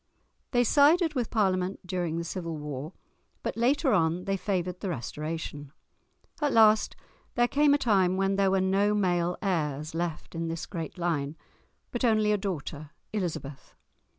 They sided with Parliament during the Civil War, but later on they favoured the Restoration. At last there came a time when there were no male heirs left in this great line, but only a daughter, Elizabeth.